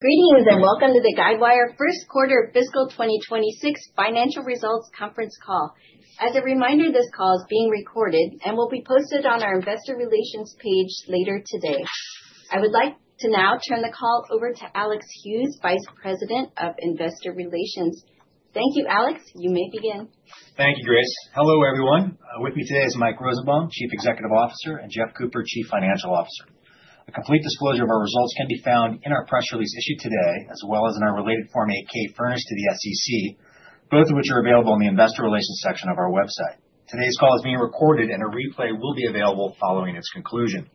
Greetings and welcome to the Guidewire First Quarter of Fiscal 2026 Financial Results Conference Call. As a reminder, this call is being recorded and will be posted on our Investor Relations page later today. I would like to now turn the call over to Alex Hughes, Vice President of Investor Relations. Thank you, Alex. You may begin. Thank you, Grace. Hello, everyone. With me today is Mike Rosenbaum, Chief Executive Officer, and Jeff Cooper, Chief Financial Officer. A complete disclosure of our results can be found in our press release issued today, as well as in our related Form 8-K furnished to the SEC, both of which are available in the investor relations section of our website. Today's call is being recorded, and a replay will be available following its conclusion.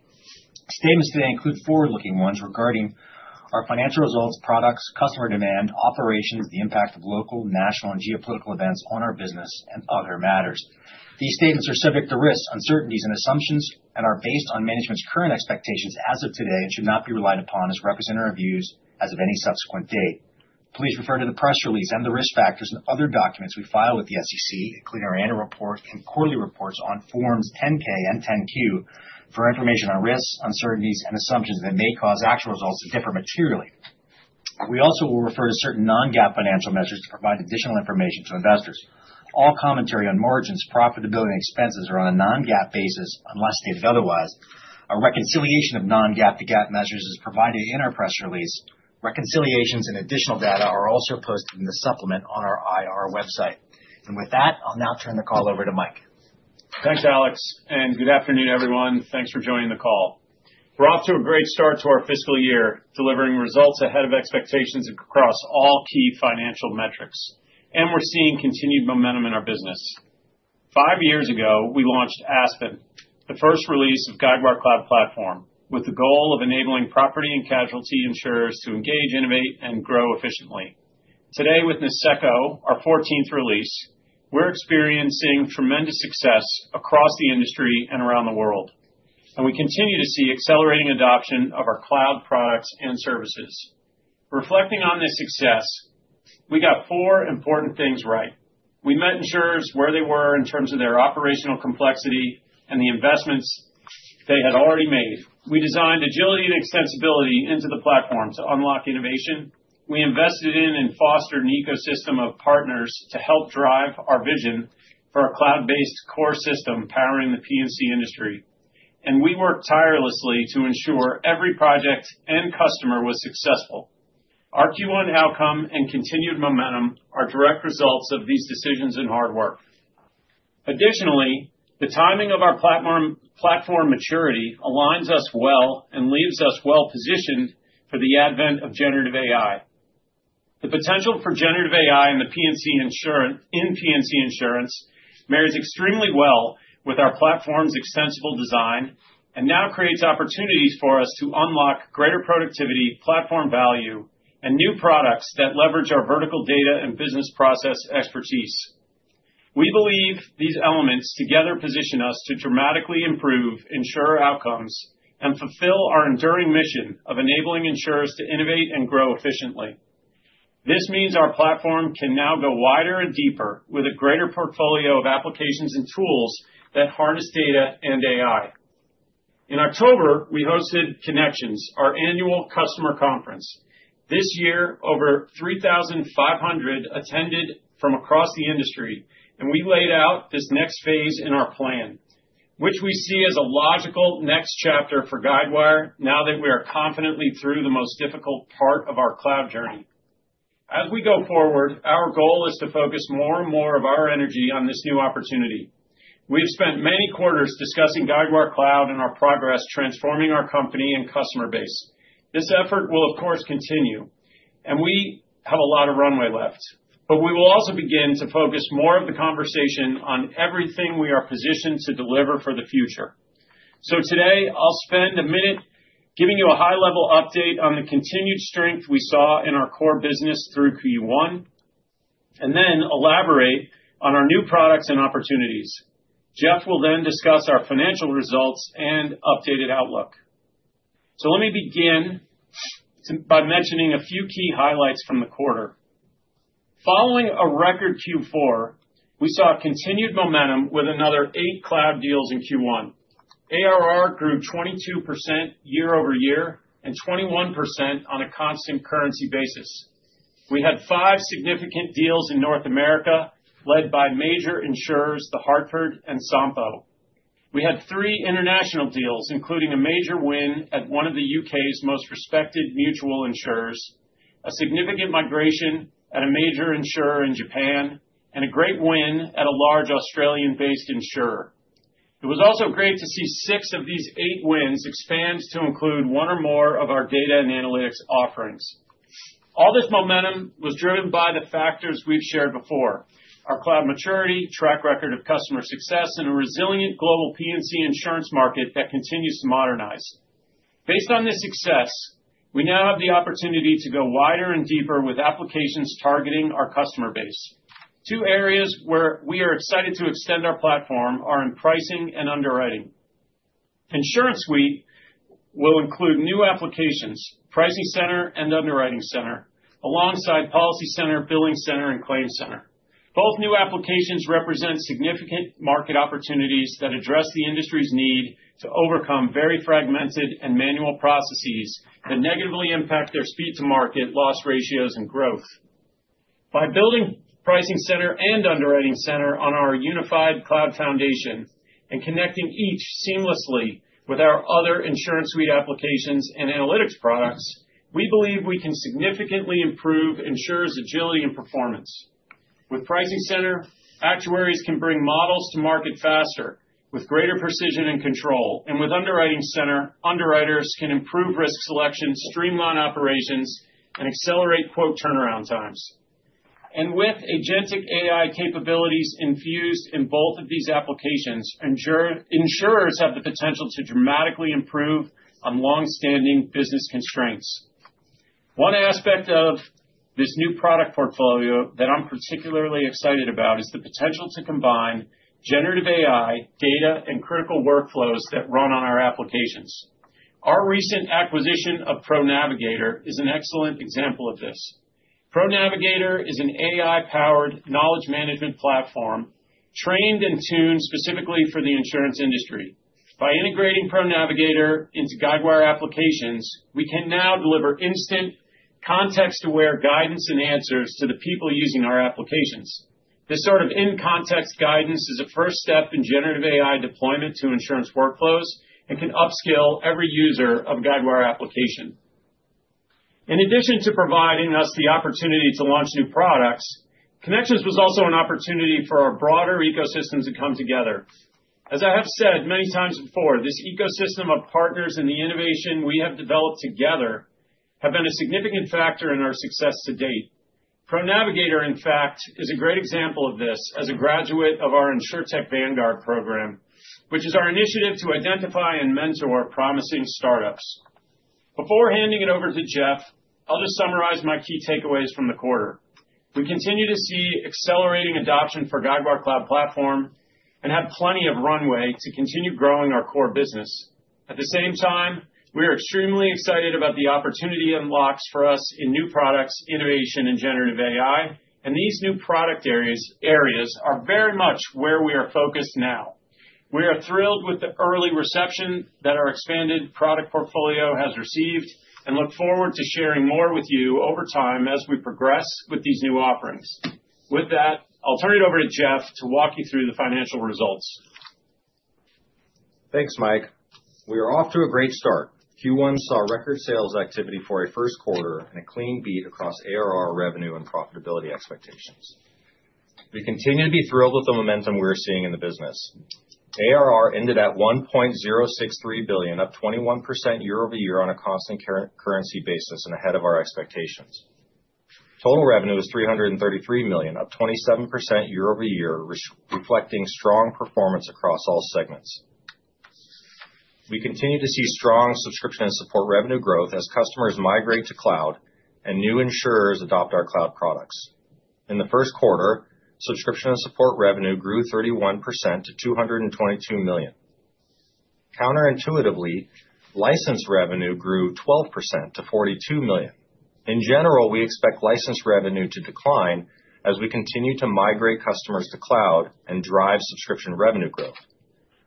Statements today include forward-looking ones regarding our financial results, products, customer demand, operations, the impact of local, national, and geopolitical events on our business, and other matters. These statements are subject to risks, uncertainties, and assumptions, and are based on management's current expectations as of today and should not be relied upon as representative views as of any subsequent date. Please refer to the press release and the risk factors and other documents we file with the SEC, including our annual report and quarterly reports on Forms 10-K and 10-Q, for information on risks, uncertainties, and assumptions that may cause actual results to differ materially. We also will refer to certain non-GAAP financial measures to provide additional information to investors. All commentary on margins, profitability, and expenses are on a non-GAAP basis unless stated otherwise. A reconciliation of non-GAAP to GAAP measures is provided in our press release. Reconciliations and additional data are also posted in the supplement on our IR website, and with that, I'll now turn the call over to Mike. Thanks, Alex. Good afternoon, everyone. Thanks for joining the call. We're off to a great start to our fiscal year, delivering results ahead of expectations across all key financial metrics, and we're seeing continued momentum in our business. Five years ago, we launched Aspen, the first release of Guidewire Cloud Platform, with the goal of enabling property and casualty insurers to engage, innovate, and grow efficiently. Today, with Niseko, our 14th release, we're experiencing tremendous success across the industry and around the world, and we continue to see accelerating adoption of our cloud products and services. Reflecting on this success, we got four important things right. We met insurers where they were in terms of their operational complexity and the investments they had already made. We designed agility and extensibility into the platform to unlock innovation. We invested in and fostered an ecosystem of partners to help drive our vision for a cloud-based core system powering the P&C industry. And we worked tirelessly to ensure every project and customer was successful. Our Q1 outcome and continued momentum are direct results of these decisions and hard work. Additionally, the timing of our platform maturity aligns us well and leaves us well-positioned for the advent of generative AI. The potential for generative AI in P&C insurance marries extremely well with our platform's extensible design and now creates opportunities for us to unlock greater productivity, platform value, and new products that leverage our vertical data and business process expertise. We believe these elements together position us to dramatically improve insurer outcomes and fulfill our enduring mission of enabling insurers to innovate and grow efficiently. This means our platform can now go wider and deeper with a greater portfolio of applications and tools that harness data and AI. In October, we hosted Connections, our annual customer conference. This year, over 3,500 attended from across the industry, and we laid out this next phase in our plan, which we see as a logical next chapter for Guidewire now that we are confidently through the most difficult part of our cloud journey. As we go forward, our goal is to focus more and more of our energy on this new opportunity. We have spent many quarters discussing Guidewire Cloud and our progress transforming our company and customer base. This effort will, of course, continue, and we have a lot of runway left, but we will also begin to focus more of the conversation on everything we are positioned to deliver for the future. So today, I'll spend a minute giving you a high-level update on the continued strength we saw in our core business through Q1, and then elaborate on our new products and opportunities. Jeff will then discuss our financial results and updated outlook. So let me begin by mentioning a few key highlights from the quarter. Following a record Q4, we saw continued momentum with another eight cloud deals in Q1. ARR grew 22% year-over-year and 21% on a constant currency basis. We had five significant deals in North America led by major insurers, The Hartford and Sompo. We had three international deals, including a major win at one of the U.K.'s most respected mutual insurers, a significant migration at a major insurer in Japan, and a great win at a large Australian-based insurer. It was also great to see six of these eight wins expand to include one or more of our data and analytics offerings. All this momentum was driven by the factors we've shared before: our cloud maturity, track record of customer success, and a resilient global P&C insurance market that continues to modernize. Based on this success, we now have the opportunity to go wider and deeper with applications targeting our customer base. Two areas where we are excited to extend our platform are in pricing and underwriting. InsuranceSuite will include new applications, Pricing Center and Underwriting Center, alongside PolicyCenter, BillingCenter, and ClaimCenter. Both new applications represent significant market opportunities that address the industry's need to overcome very fragmented and manual processes that negatively impact their speed-to-market loss ratios and growth. By building Pricing Center and Underwriting Center on our unified cloud foundation and connecting each seamlessly with our other InsuranceSuite applications and analytics products, we believe we can significantly improve insurers' agility and performance. With Pricing Center, actuaries can bring models to market faster with greater precision and control, and with Underwriting Center, underwriters can improve risk selection, streamline operations, and accelerate quote turnaround times. And with agentic AI capabilities infused in both of these applications, insurers have the potential to dramatically improve on long-standing business constraints. One aspect of this new product portfolio that I'm particularly excited about is the potential to combine generative AI, data, and critical workflows that run on our applications. Our recent acquisition of ProNavigator is an excellent example of this. ProNavigator is an AI-powered knowledge management platform trained and tuned specifically for the insurance industry. By integrating ProNavigator into Guidewire applications, we can now deliver instant, context-aware guidance and answers to the people using our applications. This sort of in-context guidance is a first step in generative AI deployment to insurance workflows and can upskill every user of Guidewire application. In addition to providing us the opportunity to launch new products, Connections was also an opportunity for our broader ecosystems to come together. As I have said many times before, this ecosystem of partners and the innovation we have developed together have been a significant factor in our success to date. ProNavigator, in fact, is a great example of this as a graduate of our Insurtech Vanguard program, which is our initiative to identify and mentor promising startups. Before handing it over to Jeff, I'll just summarize my key takeaways from the quarter. We continue to see accelerating adoption for Guidewire Cloud Platform and have plenty of runway to continue growing our core business. At the same time, we are extremely excited about the opportunity unlocks for us in new products, innovation, and generative AI, and these new product areas are very much where we are focused now. We are thrilled with the early reception that our expanded product portfolio has received and look forward to sharing more with you over time as we progress with these new offerings. With that, I'll turn it over to Jeff to walk you through the financial results. Thanks, Mike. We are off to a great start. Q1 saw record sales activity for a first quarter and a clean beat across ARR revenue and profitability expectations. We continue to be thrilled with the momentum we're seeing in the business. ARR ended at $1.063 billion, up 21% year-over-year on a constant currency basis and ahead of our expectations. Total revenue is $333 million, up 27% year-over-year, reflecting strong performance across all segments. We continue to see strong subscription and support revenue growth as customers migrate to cloud and new insurers adopt our cloud products. In the first quarter, subscription and support revenue grew 31% to $222 million. Counterintuitively, license revenue grew 12% to $42 million. In general, we expect license revenue to decline as we continue to migrate customers to cloud and drive subscription revenue growth.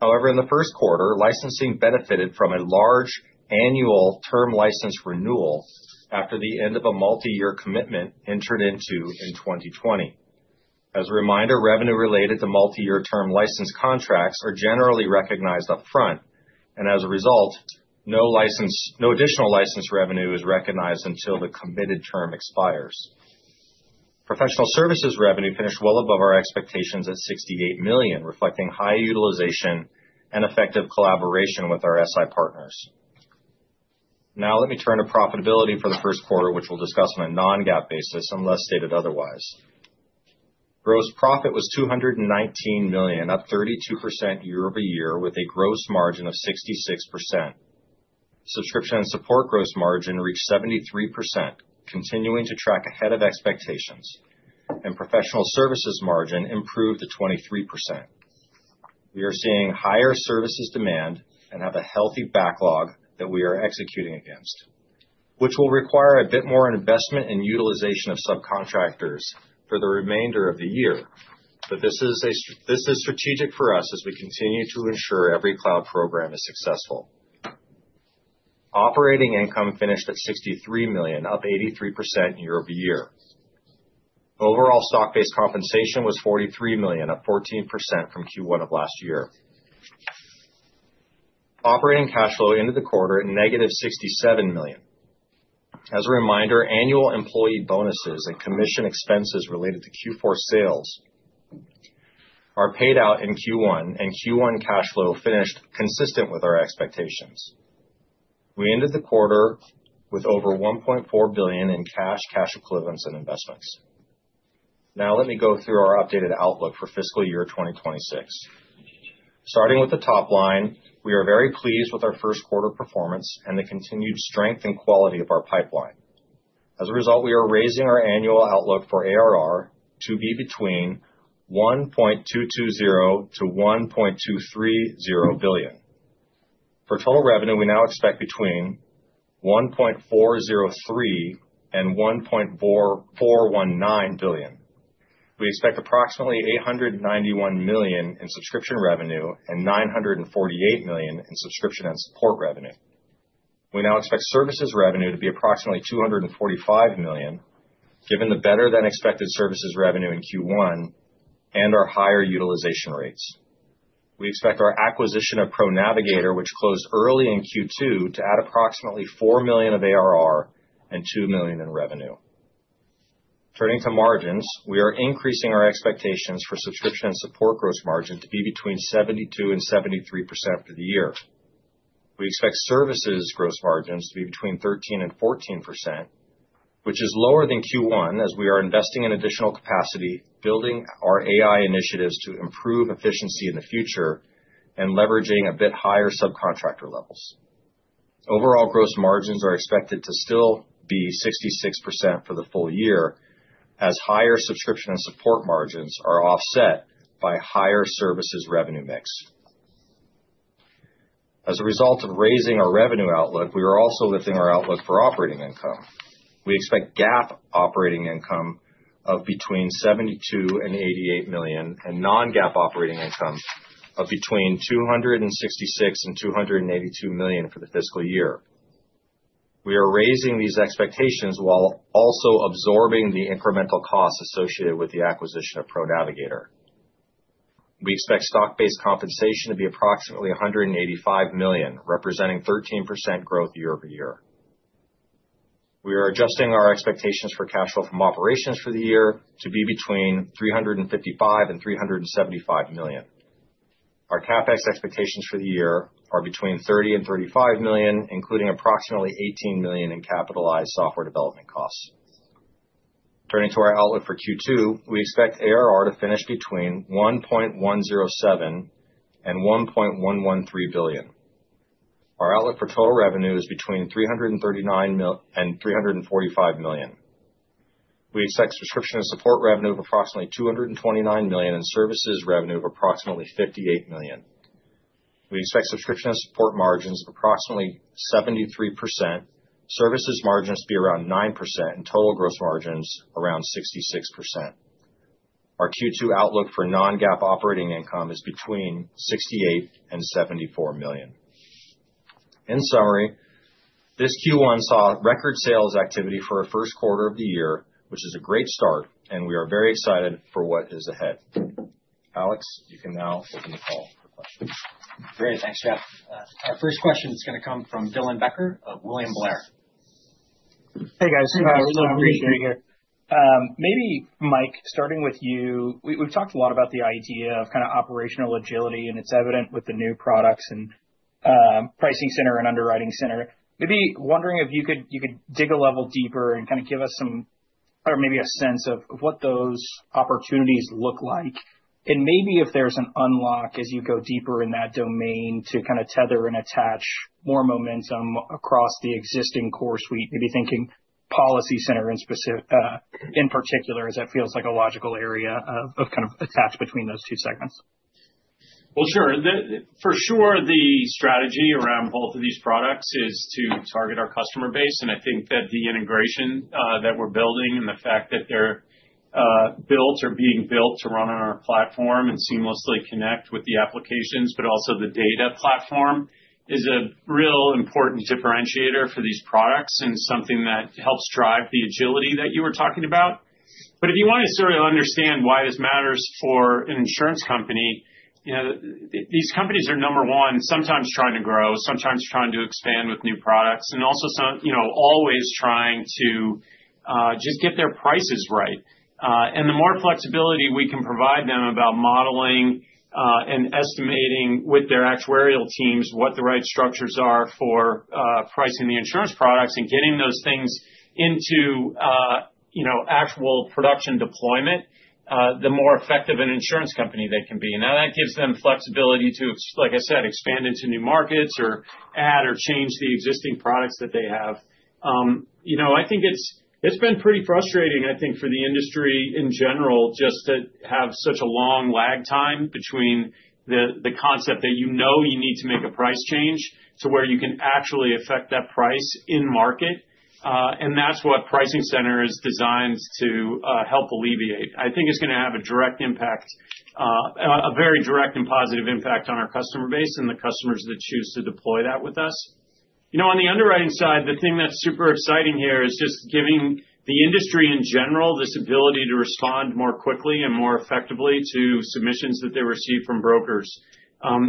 However, in the first quarter, licensing benefited from a large annual term license renewal after the end of a multi-year commitment entered into in 2020. As a reminder, revenue related to multi-year term license contracts are generally recognized upfront, and as a result, no additional license revenue is recognized until the committed term expires. Professional services revenue finished well above our expectations at $68 million, reflecting high utilization and effective collaboration with our SI partners. Now, let me turn to profitability for the first quarter, which we'll discuss on a non-GAAP basis unless stated otherwise. Gross profit was $219 million, up 32% year-over-year, with a gross margin of 66%. Subscription and support gross margin reached 73%, continuing to track ahead of expectations, and professional services margin improved to 23%. We are seeing higher services demand and have a healthy backlog that we are executing against, which will require a bit more investment and utilization of subcontractors for the remainder of the year, but this is strategic for us as we continue to ensure every cloud program is successful. Operating income finished at $63 million, up 83% year over year. Overall stock-based compensation was $43 million, up 14% from Q1 of last year. Operating cash flow ended the quarter at negative $67 million. As a reminder, annual employee bonuses and commission expenses related to Q4 sales are paid out in Q1, and Q1 cash flow finished consistent with our expectations. We ended the quarter with over $1.4 billion in cash, cash equivalents, and investments. Now, let me go through our updated outlook for fiscal year 2026. Starting with the top line, we are very pleased with our first quarter performance and the continued strength and quality of our pipeline. As a result, we are raising our annual outlook for ARR to be between $1.220-$1.230 billion. For total revenue, we now expect between $1.403 and $1.419 billion. We expect approximately $891 million in subscription revenue and $948 million in subscription and support revenue. We now expect services revenue to be approximately $245 million, given the better-than-expected services revenue in Q1 and our higher utilization rates. We expect our acquisition of ProNavigator, which closed early in Q2, to add approximately $4 million of ARR and $2 million in revenue. Turning to margins, we are increasing our expectations for subscription and support gross margin to be between 72%-73% for the year. We expect services gross margins to be between 13% and 14%, which is lower than Q1 as we are investing in additional capacity, building our AI initiatives to improve efficiency in the future, and leveraging a bit higher subcontractor levels. Overall gross margins are expected to still be 66% for the full year as higher subscription and support margins are offset by higher services revenue mix. As a result of raising our revenue outlook, we are also lifting our outlook for operating income. We expect GAAP operating income of between $72 million and $88 million and non-GAAP operating income of between $266 million and $282 million for the fiscal year. We are raising these expectations while also absorbing the incremental costs associated with the acquisition of ProNavigator. We expect stock-based compensation to be approximately $185 million, representing 13% growth year-over-year. We are adjusting our expectations for cash flow from operations for the year to be between $355-$375 million. Our CapEx expectations for the year are between $30-$35 million, including approximately $18 million in capitalized software development costs. Turning to our outlook for Q2, we expect ARR to finish between $1.107-$1.113 billion. Our outlook for total revenue is between $339-$345 million. We expect subscription and support revenue of approximately $229 million and services revenue of approximately $58 million. We expect subscription and support margins of approximately 73%, services margins to be around 9%, and total gross margins around 66%. Our Q2 outlook for non-GAAP operating income is between $68-$74 million. In summary, this Q1 saw record sales activity for our first quarter of the year, which is a great start, and we are very excited for what is ahead. Alex, you can now open the call for questions. Great. Thanks, Jeff. Our first question is going to come from Dylan Becker of William Blair. Hey, guys. Hey, guys. We're so appreciated here. Maybe, Mike, starting with you, we've talked a lot about the idea of kind of operational agility, and it's evident with the new products and Pricing Center and Underwriting Center. Maybe wondering if you could dig a level deeper and kind of give us some or maybe a sense of what those opportunities look like, and maybe if there's an unlock as you go deeper in that domain to kind of tether and attach more momentum across the existing core suite, maybe thinking PolicyCenter in particular as that feels like a logical area of kind of attach between those two segments. Sure. For sure, the strategy around both of these products is to target our customer base, and I think that the integration that we're building and the fact that they're built or being built to run on our platform and seamlessly connect with the applications, but also the data platform, is a real important differentiator for these products and something that helps drive the agility that you were talking about. But if you want to sort of understand why this matters for an insurance company, these companies are, number one, sometimes trying to grow, sometimes trying to expand with new products, and also always trying to just get their prices right. The more flexibility we can provide them about modeling and estimating with their actuarial teams what the right structures are for pricing the insurance products and getting those things into actual production deployment, the more effective an insurance company they can be. Now, that gives them flexibility to, like I said, expand into new markets or add or change the existing products that they have. I think it's been pretty frustrating, I think, for the industry in general just to have such a long lag time between the concept that you know you need to make a price change to where you can actually affect that price in market, and that's what Pricing Center is designed to help alleviate. I think it's going to have a direct impact, a very direct and positive impact on our customer base and the customers that choose to deploy that with us. On the underwriting side, the thing that's super exciting here is just giving the industry in general this ability to respond more quickly and more effectively to submissions that they receive from brokers.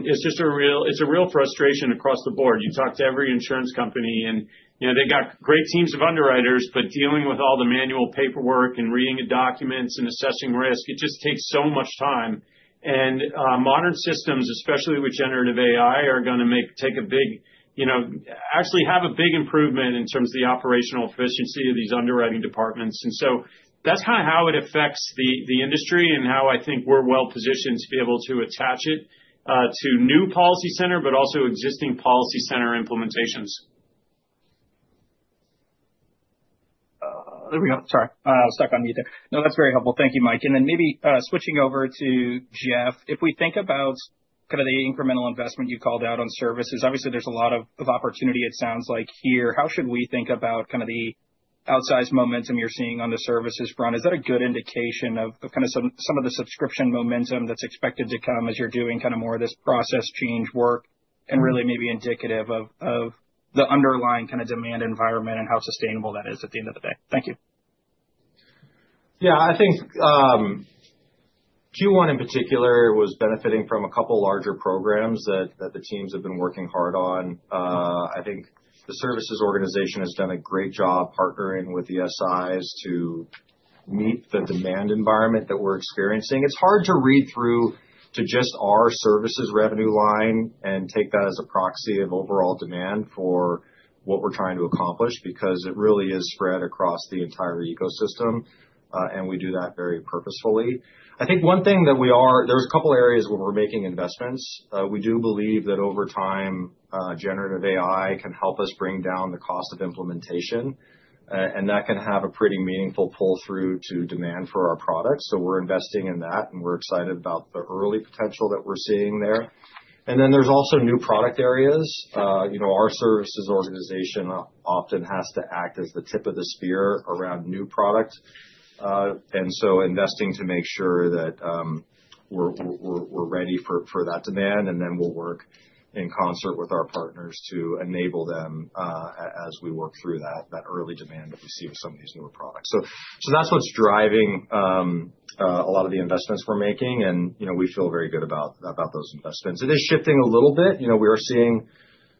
It's just a real frustration across the board. You talk to every insurance company, and they've got great teams of underwriters, but dealing with all the manual paperwork and reading the documents and assessing risk, it just takes so much time. And modern systems, especially with Generative AI, are going to actually have a big improvement in terms of the operational efficiency of these underwriting departments. And so that's kind of how it affects the industry and how I think we're well positioned to be able to attach it to new PolicyCenter, but also existing PolicyCenter implementations. There we go. Sorry. I was stuck on mute. No, that's very helpful. Thank you, Mike. And then maybe switching over to Jeff, if we think about kind of the incremental investment you called out on services, obviously there's a lot of opportunity, it sounds like, here. How should we think about kind of the outsized momentum you're seeing on the services front? Is that a good indication of kind of some of the subscription momentum that's expected to come as you're doing kind of more of this process change work and really maybe indicative of the underlying kind of demand environment and how sustainable that is at the end of the day? Thank you. Yeah. I think Q1 in particular was benefiting from a couple of larger programs that the teams have been working hard on. I think the services organization has done a great job partnering with the SIs to meet the demand environment that we're experiencing. It's hard to read through to just our services revenue line and take that as a proxy of overall demand for what we're trying to accomplish because it really is spread across the entire ecosystem, and we do that very purposefully. I think one thing. There's a couple of areas where we're making investments. We do believe that over time, generative AI can help us bring down the cost of implementation, and that can have a pretty meaningful pull-through to demand for our products. So we're investing in that, and we're excited about the early potential that we're seeing there. And then there's also new product areas. Our services organization often has to act as the tip of the spear around new product, and so investing to make sure that we're ready for that demand, and then we'll work in concert with our partners to enable them as we work through that early demand that we see with some of these newer products. So that's what's driving a lot of the investments we're making, and we feel very good about those investments. It is shifting a little bit. We are seeing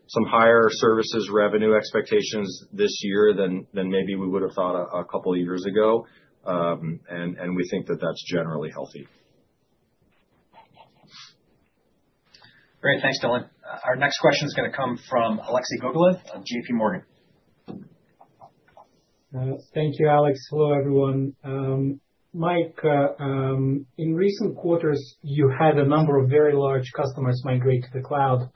some higher services revenue expectations this year than maybe we would have thought a couple of years ago, and we think that that's generally healthy. Great. Thanks, Dylan. Our next question is going to come from Alexei Gogolev of JPMorgan. Thank you, Alex. Hello, everyone. Mike, in recent quarters, you had a number of very large customers migrate to the cloud. Are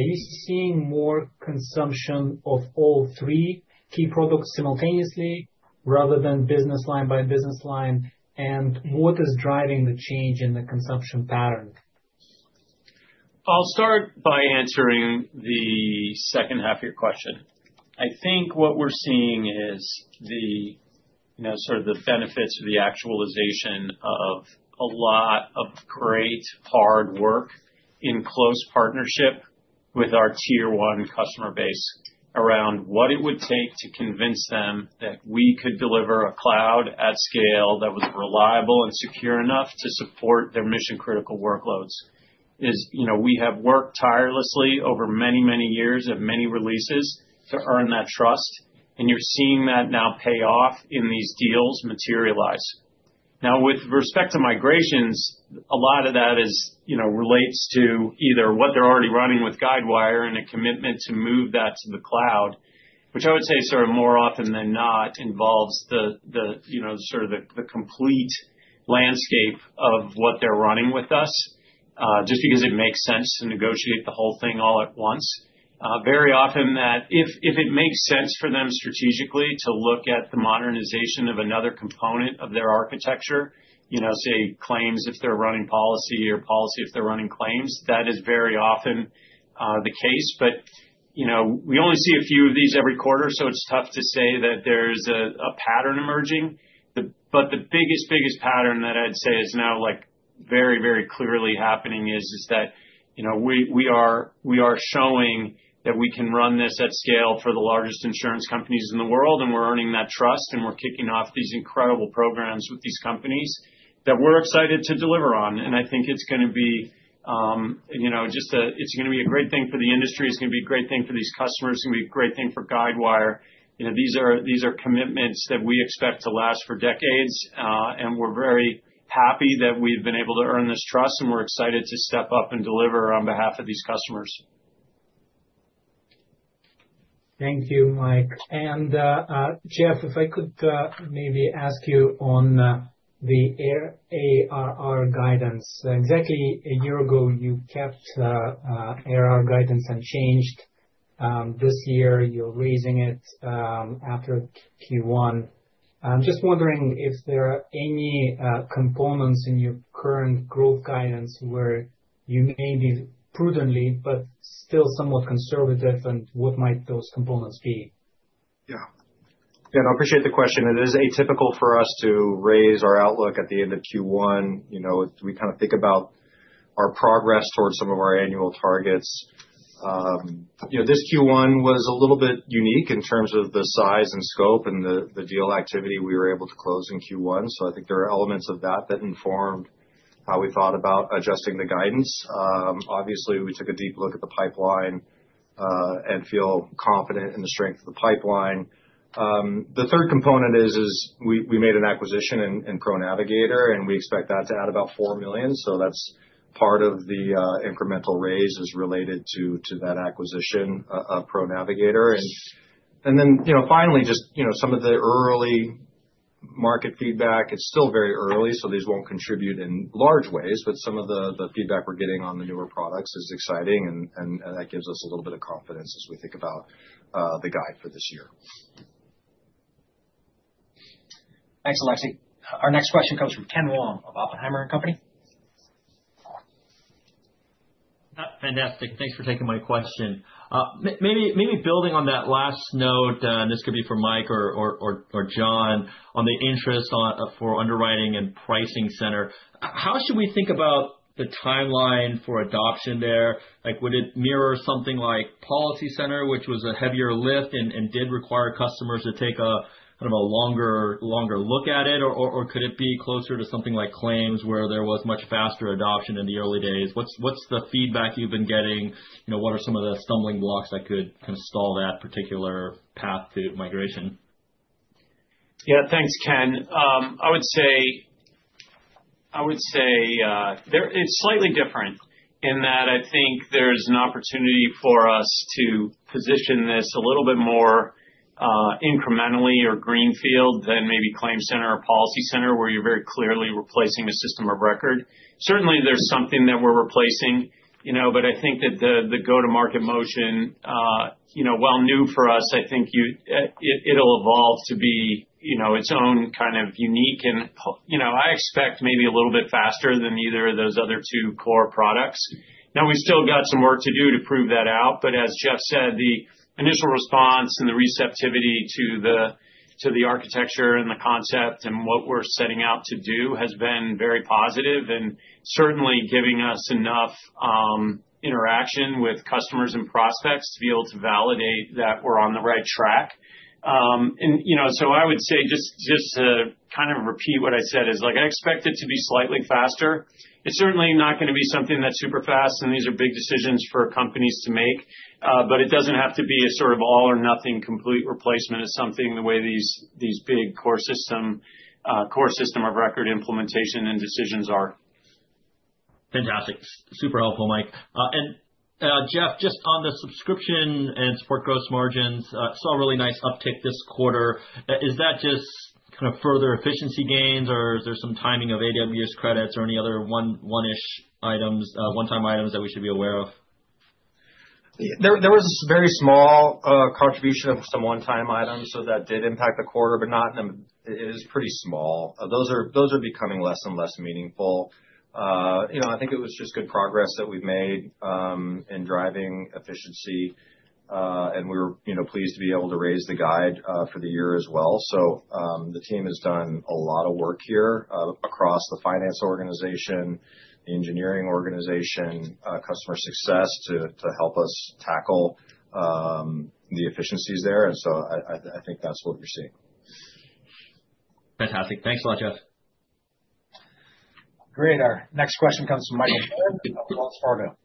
you seeing more consumption of all three key products simultaneously rather than business line by business line? And what is driving the change in the consumption pattern? I'll start by answering the second half of your question. I think what we're seeing is sort of the benefits of the actualization of a lot of great hard work in close partnership with our tier-one customer base around what it would take to convince them that we could deliver a cloud at scale that was reliable and secure enough to support their mission-critical workloads. We have worked tirelessly over many, many years of many releases to earn that trust, and you're seeing that now pay off in these deals materialize. Now, with respect to migrations, a lot of that relates to either what they're already running with Guidewire and a commitment to move that to the cloud, which I would say sort of more often than not involves sort of the complete landscape of what they're running with us just because it makes sense to negotiate the whole thing all at once. Very often, if it makes sense for them strategically to look at the modernization of another component of their architecture, say, claims if they're running policy or policy if they're running claims, that is very often the case. But we only see a few of these every quarter, so it's tough to say that there's a pattern emerging. But the biggest, biggest pattern that I'd say is now very, very clearly happening is that we are showing that we can run this at scale for the largest insurance companies in the world, and we're earning that trust, and we're kicking off these incredible programs with these companies that we're excited to deliver on. And I think it's going to be just a it's going to be a great thing for the industry. It's going to be a great thing for these customers. It's going to be a great thing for Guidewire. These are commitments that we expect to last for decades, and we're very happy that we've been able to earn this trust, and we're excited to step up and deliver on behalf of these customers. Thank you, Mike. And Jeff, if I could maybe ask you on the ARR guidance. Exactly a year ago, you kept ARR guidance unchanged. This year, you're raising it after Q1. I'm just wondering if there are any components in your current growth guidance where you may be prudently, but still somewhat conservative, and what might those components be? Yeah. Yeah. I appreciate the question. It is atypical for us to raise our outlook at the end of Q1. We kind of think about our progress towards some of our annual targets. This Q1 was a little bit unique in terms of the size and scope and the deal activity we were able to close in Q1. So I think there are elements of that that informed how we thought about adjusting the guidance. Obviously, we took a deep look at the pipeline and feel confident in the strength of the pipeline. The third component is we made an acquisition in ProNavigator, and we expect that to add about $4 million. So that's part of the incremental raise is related to that acquisition of ProNavigator. And then finally, just some of the early market feedback. It's still very early, so these won't contribute in large ways, but some of the feedback we're getting on the newer products is exciting, and that gives us a little bit of confidence as we think about the guide for this year. Thanks, Alexey. Our next question comes from Ken Wong of Oppenheimer & Co. Fantastic. Thanks for taking my question. Maybe building on that last note, and this could be for Mike or Jeff, on the interest for Underwriting and Pricing Center, how should we think about the timeline for adoption there? Would it mirror something like PolicyCenter, which was a heavier lift and did require customers to take kind of a longer look at it, or could it be closer to something like claims where there was much faster adoption in the early days? What's the feedback you've been getting? What are some of the stumbling blocks that could kind of stall that particular path to migration? Yeah. Thanks, Ken. I would say it's slightly different in that I think there's an opportunity for us to position this a little bit more incrementally or greenfield than maybe ClaimCenter or PolicyCenter where you're very clearly replacing a system of record. Certainly, there's something that we're replacing, but I think that the go-to-market motion, while new for us, I think it'll evolve to be its own kind of unique, and I expect maybe a little bit faster than either of those other two core products. Now, we've still got some work to do to prove that out, but as Jeff said, the initial response and the receptivity to the architecture and the concept and what we're setting out to do has been very positive and certainly giving us enough interaction with customers and prospects to be able to validate that we're on the right track, and so I would say just to kind of repeat what I said is I expect it to be slightly faster. It's certainly not going to be something that's super fast, and these are big decisions for companies to make, but it doesn't have to be a sort of all-or-nothing complete replacement of something the way these big core system of record implementation and decisions are. Fantastic. Super helpful, Mike. And Jeff, just on the subscription and support gross margins, saw a really nice uptick this quarter. Is that just kind of further efficiency gains, or is there some timing of AWS credits or any other one-off items, one-time items that we should be aware of? There was a very small contribution of some one-time items, so that did impact the quarter, but it is pretty small. Those are becoming less and less meaningful. I think it was just good progress that we've made in driving efficiency, and we were pleased to be able to raise the guide for the year as well. So the team has done a lot of work here across the finance organization, the engineering organization, customer success to help us tackle the efficiencies there. And so I think that's what we're seeing. Fantastic. Thanks a lot, Jeff. Great. Our next question comes from Michael Turrin of Wells Fargo.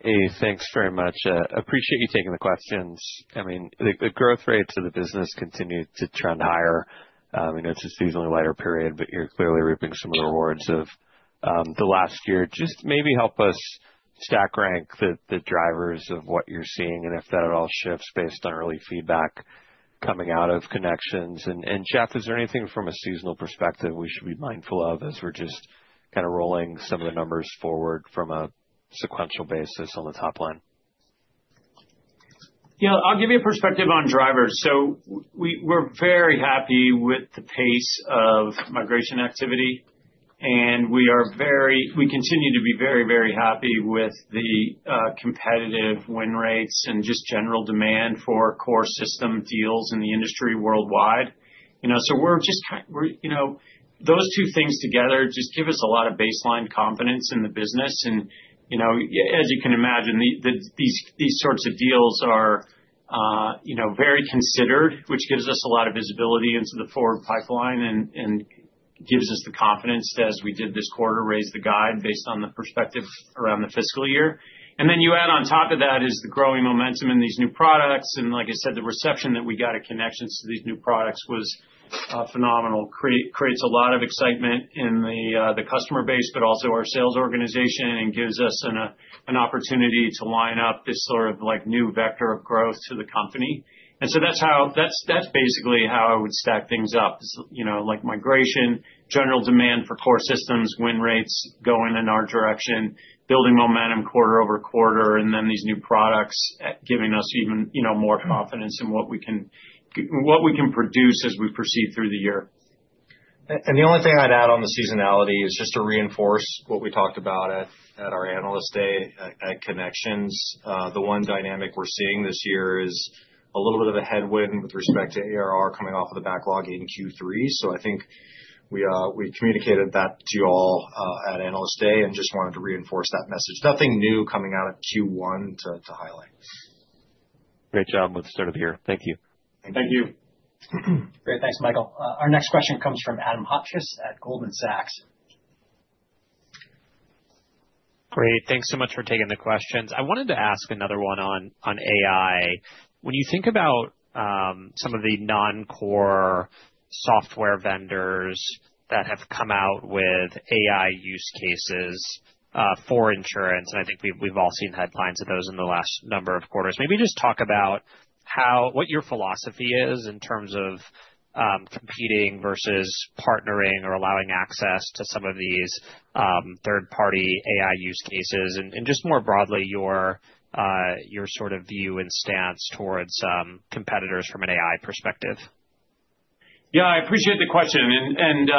Hey, thanks very much. I appreciate you taking the questions. I mean, the growth rates of the business continue to trend higher. It's a seasonally lighter period, but you're clearly reaping some of the rewards of the last year. Just maybe help us stack rank the drivers of what you're seeing and if that at all shifts based on early feedback coming out of connections. And Jeff, is there anything from a seasonal perspective we should be mindful of as we're just kind of rolling some of the numbers forward from a sequential basis on the top line? Yeah. I'll give you a perspective on drivers. So we're very happy with the pace of migration activity, and we continue to be very, very happy with the competitive win rates and just general demand for core system deals in the industry worldwide. So we're just kind of those two things together just give us a lot of baseline confidence in the business. And as you can imagine, these sorts of deals are very considered, which gives us a lot of visibility into the forward pipeline and gives us the confidence, as we did this quarter, raise the guide based on the perspective around the fiscal year. And then you add on top of that is the growing momentum in these new products. And like I said, the reception that we got at Connections to these new products was phenomenal. creates a lot of excitement in the customer base, but also our sales organization, and gives us an opportunity to line up this sort of new vector of growth to the company. And so that's basically how I would stack things up. Migration, general demand for core systems, win rates going in our direction, building momentum quarter over quarter, and then these new products giving us even more confidence in what we can produce as we proceed through the year. The only thing I'd add on the seasonality is just to reinforce what we talked about at our Analyst Day at Connections. The one dynamic we're seeing this year is a little bit of a headwind with respect to ARR coming off of the backlog in Q3. I think we communicated that to you all at Analyst Day and just wanted to reinforce that message. Nothing new coming out of Q1 to highlight. Great job with sort of here. Thank you. Thank you. Great. Thanks, Michael. Our next question comes from Adam Hotchkiss at Goldman Sachs. Great. Thanks so much for taking the questions. I wanted to ask another one on AI. When you think about some of the non-core software vendors that have come out with AI use cases for insurance, and I think we've all seen headlines of those in the last number of quarters, maybe just talk about what your philosophy is in terms of competing versus partnering or allowing access to some of these third-party AI use cases and just more broadly your sort of view and stance towards competitors from an AI perspective. Yeah. I appreciate the question. And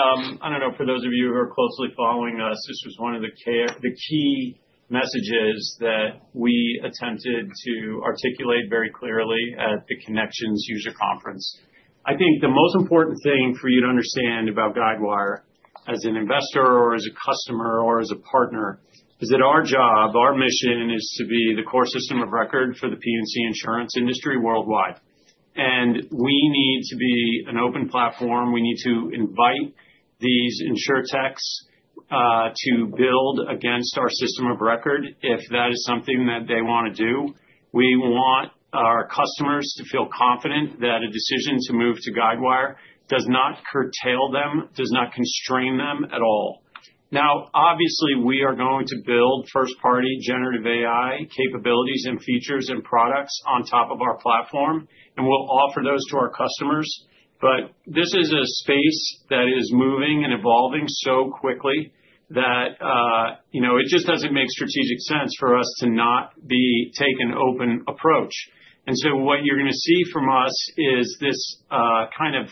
I don't know. For those of you who are closely following us, this was one of the key messages that we attempted to articulate very clearly at the Connections user conference. I think the most important thing for you to understand about Guidewire as an investor or as a customer or as a partner is that our job, our mission is to be the core system of record for the P&C insurance industry worldwide. And we need to be an open platform. We need to invite these insurtechs to build against our system of record if that is something that they want to do. We want our customers to feel confident that a decision to move to Guidewire does not curtail them, does not constrain them at all. Now, obviously, we are going to build first-party generative AI capabilities and features and products on top of our platform, and we'll offer those to our customers. But this is a space that is moving and evolving so quickly that it just doesn't make strategic sense for us to not take an open approach. And so what you're going to see from us is this kind of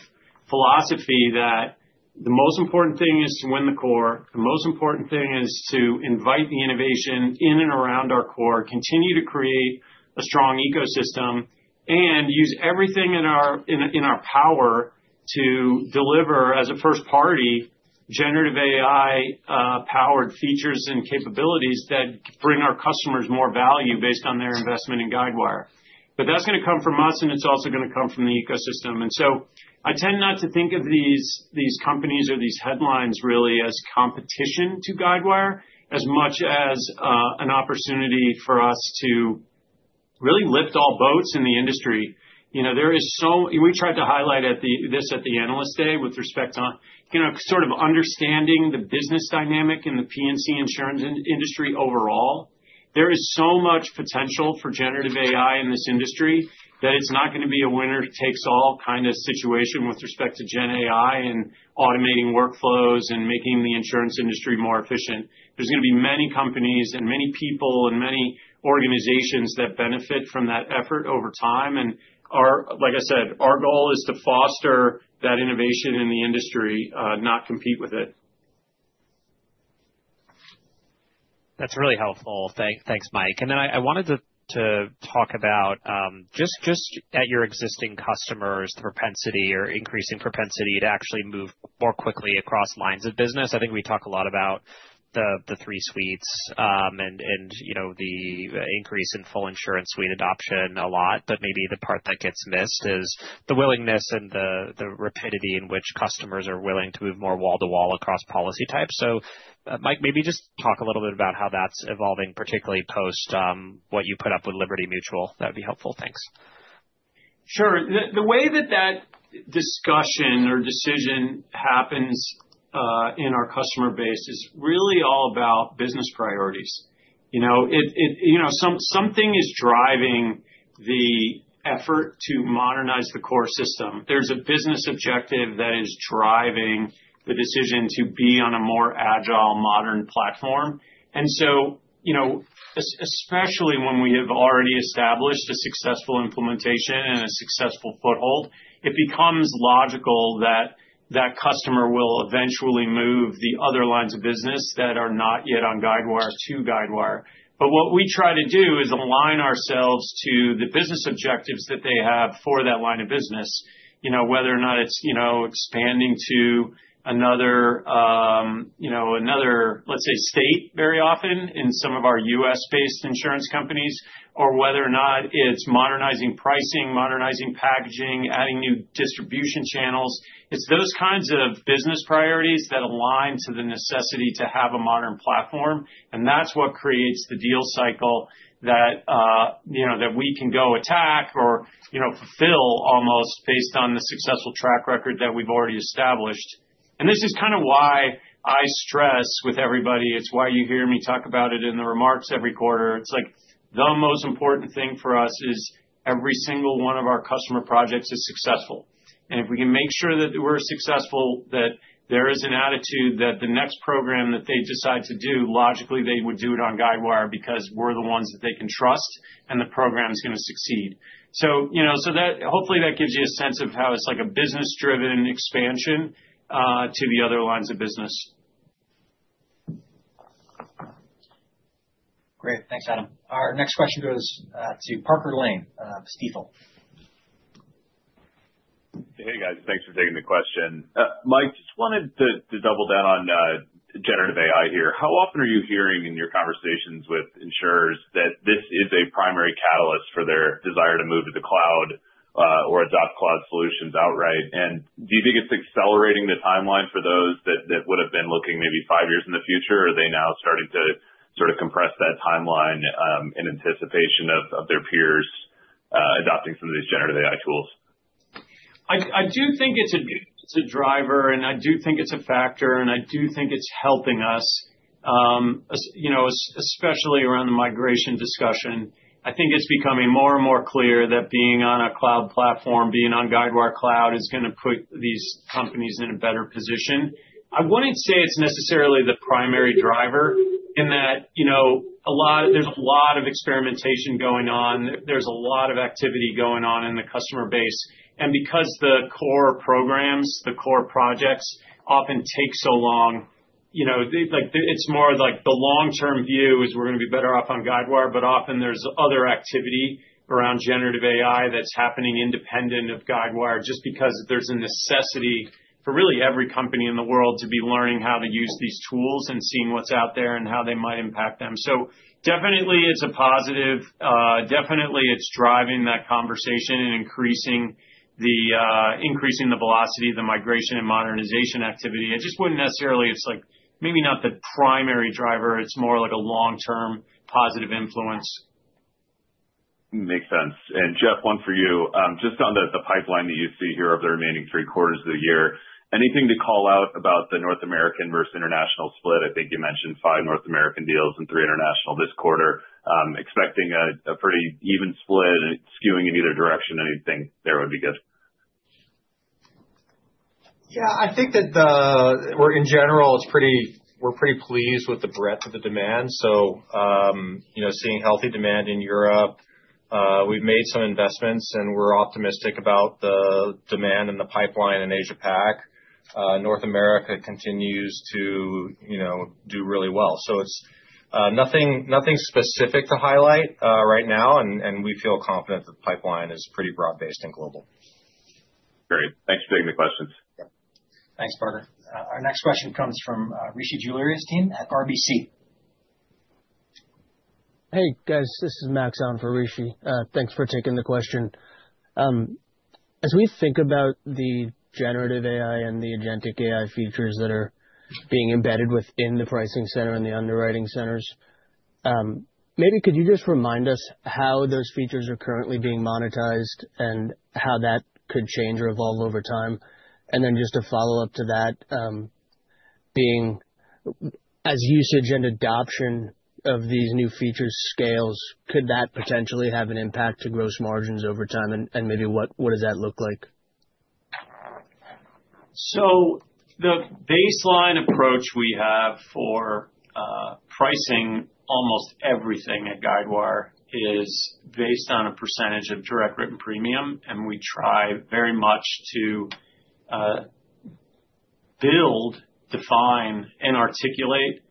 philosophy that the most important thing is to win the core. The most important thing is to invite the innovation in and around our core, continue to create a strong ecosystem, and use everything in our power to deliver as a first-party generative AI-powered features and capabilities that bring our customers more value based on their investment in Guidewire. But that's going to come from us, and it's also going to come from the ecosystem. And so I tend not to think of these companies or these headlines really as competition to Guidewire as much as an opportunity for us to really lift all boats in the industry. We tried to highlight this at the analyst day with respect to sort of understanding the business dynamic in the P&C insurance industry overall. There is so much potential for generative AI in this industry that it's not going to be a winner-takes-all kind of situation with respect to GenAI and automating workflows and making the insurance industry more efficient. There's going to be many companies and many people and many organizations that benefit from that effort over time. And like I said, our goal is to foster that innovation in the industry, not compete with it. That's really helpful. Thanks, Mike. And then I wanted to talk about just at your existing customers, the propensity or increasing propensity to actually move more quickly across lines of business. I think we talk a lot about the three suites and the increase in full insurance suite adoption a lot, but maybe the part that gets missed is the willingness and the rapidity in which customers are willing to move more wall-to-wall across policy types. So Mike, maybe just talk a little bit about how that's evolving, particularly post what you put up with Liberty Mutual. That would be helpful. Thanks. Sure. The way that that discussion or decision happens in our customer base is really all about business priorities. Something is driving the effort to modernize the core system. There's a business objective that is driving the decision to be on a more agile, modern platform. And so especially when we have already established a successful implementation and a successful foothold, it becomes logical that that customer will eventually move the other lines of business that are not yet on Guidewire to Guidewire. But what we try to do is align ourselves to the business objectives that they have for that line of business, whether or not it's expanding to another, let's say, state very often in some of our U.S.-based insurance companies, or whether or not it's modernizing pricing, modernizing packaging, adding new distribution channels. It's those kinds of business priorities that align to the necessity to have a modern platform. And that's what creates the deal cycle that we can go attack or fulfill almost based on the successful track record that we've already established. And this is kind of why I stress with everybody. It's why you hear me talk about it in the remarks every quarter. It's like the most important thing for us is every single one of our customer projects is successful. And if we can make sure that we're successful, that there is an attitude that the next program that they decide to do, logically, they would do it on Guidewire because we're the ones that they can trust and the program's going to succeed. So hopefully, that gives you a sense of how it's like a business-driven expansion to the other lines of business. Great. Thanks, Adam. Our next question goes to Parker Lane, Stifel. Hey, guys. Thanks for taking the question. Mike, just wanted to double down on generative AI here. How often are you hearing in your conversations with insurers that this is a primary catalyst for their desire to move to the cloud or adopt cloud solutions outright? And do you think it's accelerating the timeline for those that would have been looking maybe five years in the future? Are they now starting to sort of compress that timeline in anticipation of their peers adopting some of these generative AI tools? I do think it's a driver, and I do think it's a factor, and I do think it's helping us, especially around the migration discussion. I think it's becoming more and more clear that being on a cloud platform, being on Guidewire Cloud is going to put these companies in a better position. I wouldn't say it's necessarily the primary driver in that there's a lot of experimentation going on. There's a lot of activity going on in the customer base. Because the core programs, the core projects often take so long, it's more like the long-term view is we're going to be better off on Guidewire, but often there's other activity around Generative AI that's happening independent of Guidewire just because there's a necessity for really every company in the world to be learning how to use these tools and seeing what's out there and how they might impact them. So definitely, it's a positive. Definitely, it's driving that conversation and increasing the velocity of the migration and modernization activity. It just wouldn't necessarily, it's like maybe not the primary driver. It's more like a long-term positive influence. Makes sense. And Jeff, one for you. Just on the pipeline that you see here of the remaining three quarters of the year, anything to call out about the North American versus international split? I think you mentioned five North American deals and three international this quarter. Expecting a pretty even split and skewing in either direction, anything there would be good? Yeah. I think that in general, we're pretty pleased with the breadth of the demand. So seeing healthy demand in Europe, we've made some investments, and we're optimistic about the demand and the pipeline in Asia-Pac. North America continues to do really well. So it's nothing specific to highlight right now, and we feel confident that the pipeline is pretty broad-based and global. Great. Thanks for taking the questions. Thanks, Parker. Our next question comes from Rishi Jaluria's team at RBC. Hey, guys. This is Max on for Rishi. Thanks for taking the question. As we think about the generative AI and the agentic AI features that are being embedded within the Pricing Center and the Underwriting Centers, maybe could you just remind us how those features are currently being monetized and how that could change or evolve over time? And then just a follow-up to that, being as usage and adoption of these new features scales, could that potentially have an impact to gross margins over time? And maybe what does that look like? The baseline approach we have for pricing almost everything at Guidewire is based on a percentage of direct written premium. We try very much to build, define, and articulate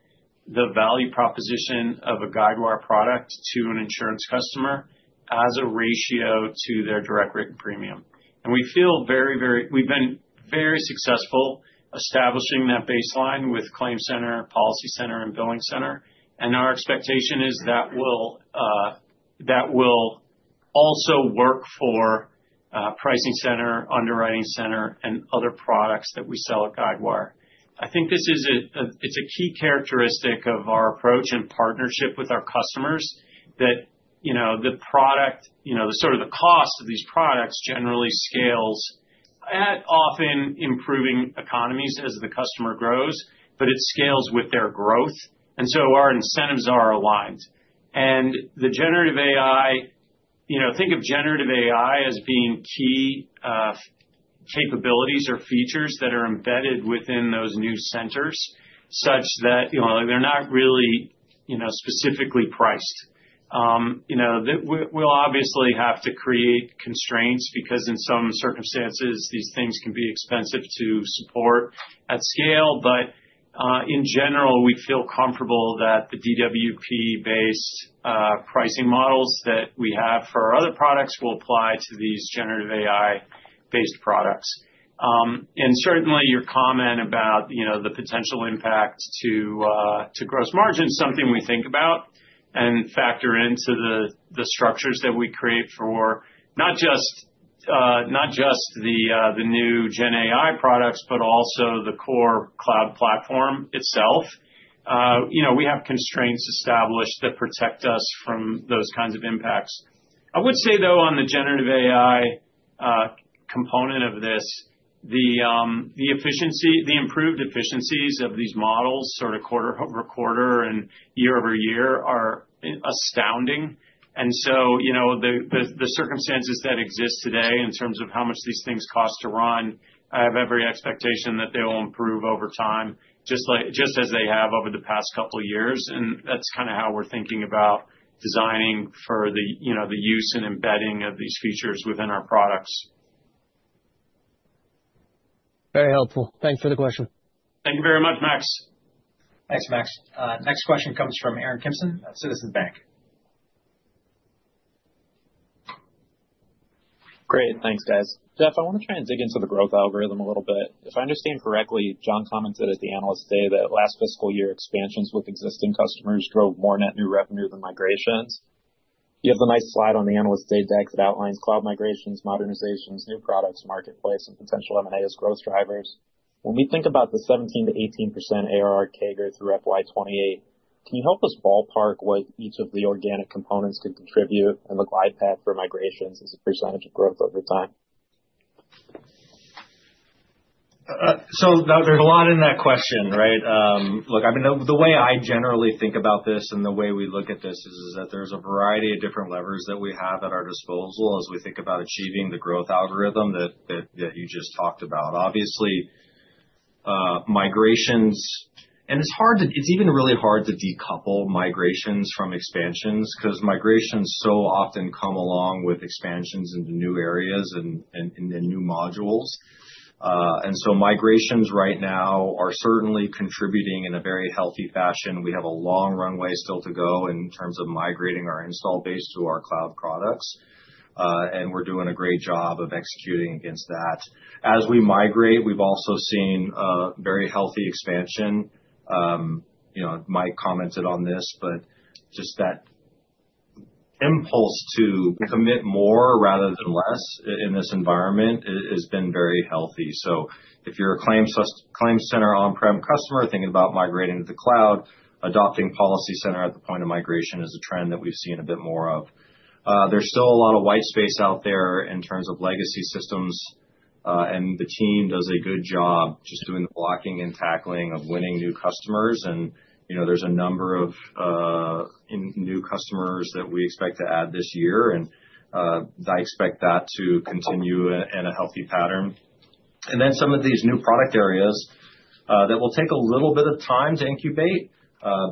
the value proposition of a Guidewire product to an insurance customer as a ratio to their direct written premium. We feel very, very, we've been very successful establishing that baseline with ClaimCenter, PolicyCenter, and BillingCenter. Our expectation is that will also work for Pricing Center, Underwriting Center, and other products that we sell at Guidewire. I think it's a key characteristic of our approach and partnership with our customers that the product, sort of the cost of these products generally scales at often improving economies as the customer grows, but it scales with their growth. Our incentives are aligned. And the generative AI, think of generative AI as being key capabilities or features that are embedded within those new centers such that they're not really specifically priced. We'll obviously have to create constraints because in some circumstances, these things can be expensive to support at scale. But in general, we feel comfortable that the DWP-based pricing models that we have for our other products will apply to these generative AI-based products. And certainly, your comment about the potential impact to gross margin is something we think about and factor into the structures that we create for not just the new GenAI products, but also the core cloud platform itself. We have constraints established that protect us from those kinds of impacts. I would say, though, on the Generative AI component of this, the improved efficiencies of these models sort of quarter over quarter and year-over-year are astounding. So the circumstances that exist today in terms of how much these things cost to run, I have every expectation that they will improve over time just as they have over the past couple of years. That's kind of how we're thinking about designing for the use and embedding of these features within our products. Very helpful. Thanks for the question. Thank you very much, Max. Thanks, Max. Next question comes from Aaron Kimson at Citizens Bank. Great. Thanks, guys. Jeff, I want to try and dig into the growth algorithm a little bit. If I understand correctly, John commented at the analyst day that last fiscal year expansions with existing customers drove more net new revenue than migrations. You have the nice slide on the analyst day deck that outlines cloud migrations, modernizations, new products, marketplace, and potential M&A as growth drivers. When we think about the 17%-18% ARR CAGR through FY28, can you help us ballpark what each of the organic components could contribute and the glide path for migrations as a percentage of growth over time? There's a lot in that question, right? Look, I mean, the way I generally think about this and the way we look at this is that there's a variety of different levers that we have at our disposal as we think about achieving the growth algorithm that you just talked about. Obviously, migrations, and it's even really hard to decouple migrations from expansions because migrations so often come along with expansions into new areas and new modules. And so migrations right now are certainly contributing in a very healthy fashion. We have a long runway still to go in terms of migrating our install base to our cloud products. And we're doing a great job of executing against that. As we migrate, we've also seen a very healthy expansion. Mike commented on this, but just that impulse to commit more rather than less in this environment has been very healthy. So if you're a ClaimCenter on-prem customer thinking about migrating to the cloud, adopting PolicyCenter at the point of migration is a trend that we've seen a bit more of. There's still a lot of white space out there in terms of legacy systems. And the team does a good job just doing the blocking and tackling of winning new customers. And there's a number of new customers that we expect to add this year. And I expect that to continue in a healthy pattern. And then some of these new product areas that will take a little bit of time to incubate,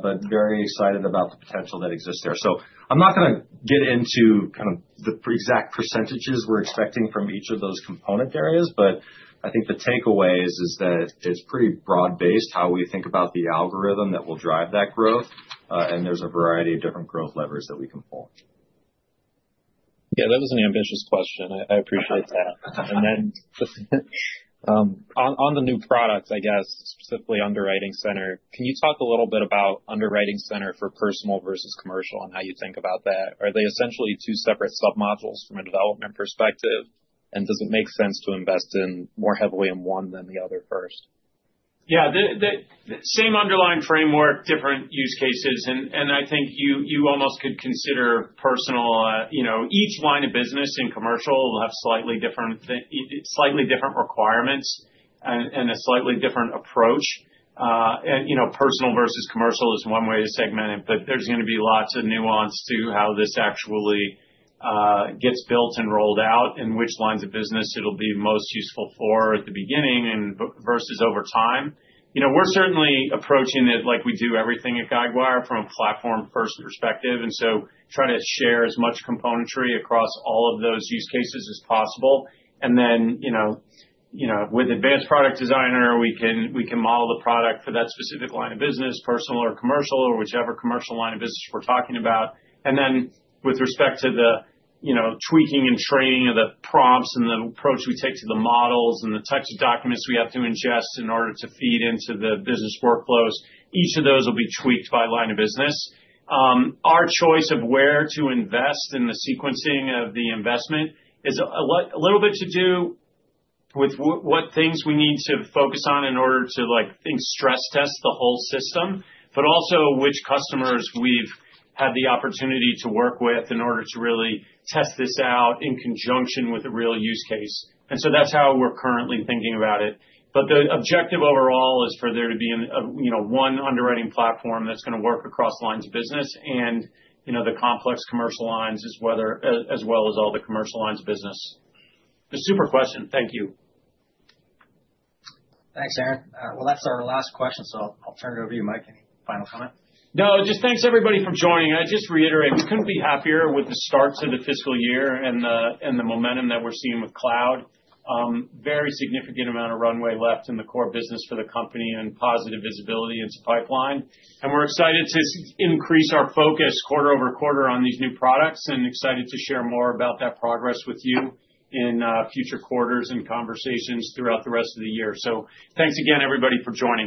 but very excited about the potential that exists there. I'm not going to get into kind of the exact percentages we're expecting from each of those component areas, but I think the takeaway is that it's pretty broad-based how we think about the algorithm that will drive that growth. There's a variety of different growth levers that we can pull. Yeah, that was an ambitious question. I appreciate that. And then on the new products, I guess, specifically Underwriting Center, can you talk a little bit about Underwriting Center for personal versus commercial and how you think about that? Are they essentially two separate submodules from a development perspective? And does it make sense to invest more heavily in one than the other first? Yeah. Same underlying framework, different use cases. And I think you almost could consider personal, each line of business in commercial will have slightly different requirements and a slightly different approach. And personal versus commercial is one way to segment it, but there's going to be lots of nuance to how this actually gets built and rolled out and which lines of business it'll be most useful for at the beginning versus over time. We're certainly approaching it like we do everything at Guidewire from a platform-first perspective. And so try to share as much componentry across all of those use cases as possible. And then with Advanced Product Designer, we can model the product for that specific line of business, personal or commercial, or whichever commercial line of business we're talking about. And then with respect to the tweaking and training of the prompts and the approach we take to the models and the types of documents we have to ingest in order to feed into the business workflows, each of those will be tweaked by line of business. Our choice of where to invest in the sequencing of the investment is a little bit to do with what things we need to focus on in order to stress test the whole system, but also which customers we've had the opportunity to work with in order to really test this out in conjunction with a real use case. And so that's how we're currently thinking about it. But the objective overall is for there to be one underwriting platform that's going to work across lines of business and the complex commercial lines as well as all the commercial lines of business. It's a super question. Thank you. Thanks, Aaron. Well, that's our last question. So I'll turn it over to you, Mike. Any final comment? No, just thanks everybody for joining. I just reiterate, we couldn't be happier with the start to the fiscal year and the momentum that we're seeing with cloud. Very significant amount of runway left in the core business for the company and positive visibility into pipeline. And we're excited to increase our focus quarter over quarter on these new products and excited to share more about that progress with you in future quarters and conversations throughout the rest of the year. So thanks again, everybody, for joining.